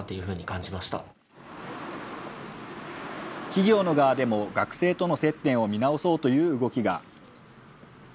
企業の側でも、学生との接点を見直そうという動きが。